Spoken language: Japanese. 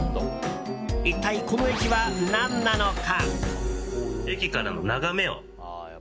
一体、この駅は何なのか？